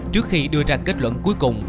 trước khi đưa ra kết luận cuối cùng